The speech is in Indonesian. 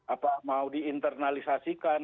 apa mau diinternalisasikan